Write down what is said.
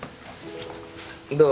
どう？